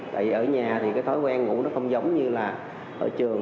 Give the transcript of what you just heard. tại vì ở nhà thì cái thói quen ngủ nó không giống như là ở trường